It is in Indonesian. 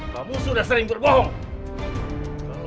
kamu sudah sering bayar aku